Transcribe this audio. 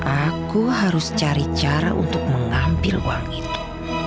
aku harus cari cara untuk mengambil uang itu